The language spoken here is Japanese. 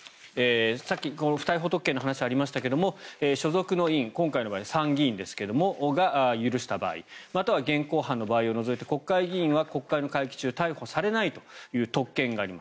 さっき不逮捕特権の話がありましたが所属の院、今回の場合は参議院が許した場合または現行犯の場合を除いて国会の会期中は逮捕されないという特権があります。